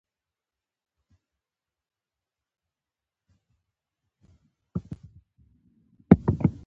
پر هغو سرداران او عالي رتبه مقامات سپاره وو.